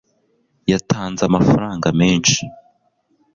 yatanze amafaranga menshi